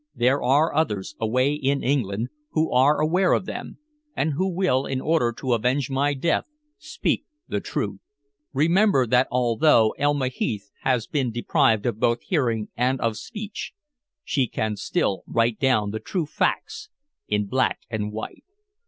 There are others, away in England, who are aware of them, and who will, in order to avenge my death, speak the truth. Remember that although Elma Heath has been deprived of both hearing and of speech, she can still write down the true facts in black and white.